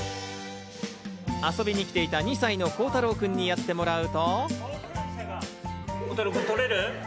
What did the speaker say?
遊びに来ていた、２歳の晃太郎くんにやってもらうと。